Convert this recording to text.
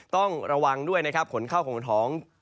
ต้องระวังด้วยขนเข้าของท้อง